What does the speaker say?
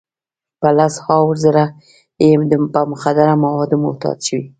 په لس هاوو زره یې په مخدره موادو معتاد شوي.